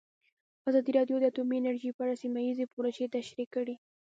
ازادي راډیو د اټومي انرژي په اړه سیمه ییزې پروژې تشریح کړې.